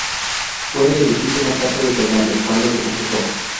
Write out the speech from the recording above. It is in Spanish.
Fue el edificio más alto de Tailandia cuando se completó.